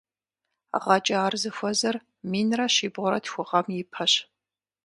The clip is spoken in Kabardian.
Гъэкӏэ ар зыхуэзэр минрэ щибгъурэ тху гъэм ипэщ.